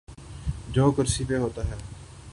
جو کرسی پہ ہوتا ہے۔